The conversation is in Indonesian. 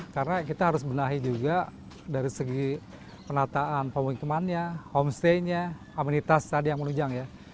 karena kita harus benahi juga dari segi penataan pemungkimannya homestay nya aminitas tadi yang menunjang ya